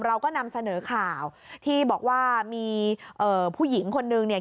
เราก็นำเสนอข่าวที่บอกว่ามีเอ่อผู้หญิงคนนึงเนี่ย